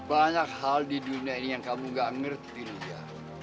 banyak hal di dunia ini yang kamu gak ngerti dia